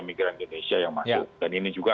migran indonesia yang masuk dan ini juga